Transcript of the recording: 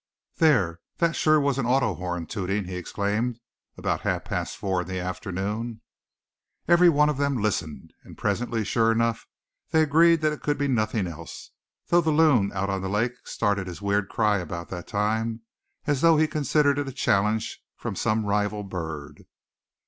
"There, that was sure an auto horn, tooting!" he exclaimed about half past four in the afternoon. Every one of them listened, and presently sure enough they agreed that it could be nothing else, though the loon out on the lake started his weird cry about that time, as though he considered it a challenge from some rival bird.